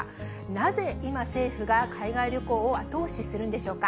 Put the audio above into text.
なぜ今、政府が海外旅行を後押しするんでしょうか。